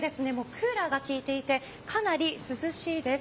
クーラーが効いていてかなり涼しいです。